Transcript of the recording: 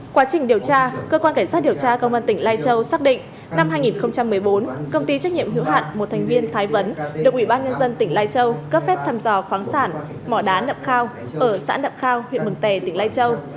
quá trình điều tra cơ quan cảnh sát điều tra công an tỉnh lai châu xác định năm hai nghìn một mươi bốn công ty trách nhiệm hữu hạn một thành viên thái vấn được ủy ban nhân dân tỉnh lai châu cấp phép thăm dò khoáng sản mỏ đá nậm khao ở xã nậm khao huyện mừng tè tỉnh lai châu